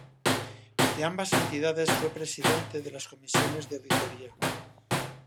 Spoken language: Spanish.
De ambas entidades fue Presidente de las comisiones de auditoría.